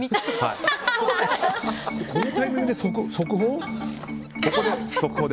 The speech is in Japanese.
このタイミングで速報？